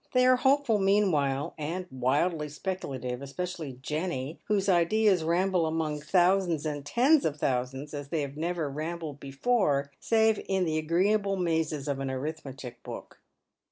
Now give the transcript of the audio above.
They are hopeful meanwhile, and wildly specnlative — especially Jenny, whose ideas ramble among thousands and tens of thousands as they have never rambled before, save in the agreeable mazes of an arithmetic book.